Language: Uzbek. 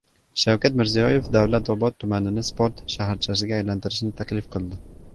Shavkat Mirziyoyev Davlatobod tumanini sport shaharchasiga aylantirishni taklif qildi